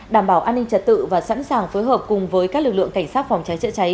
đảm bảo an ninh trật tự và sẵn sàng phối hợp cùng với các lực lượng cảnh sát phòng cháy chữa cháy